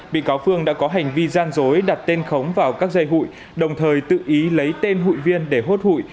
bị cáo phương đã có hành vi gian dối đặt tên khống vào các dây hụi đồng thời tự ý lấy tên hụi viên để hốt hụi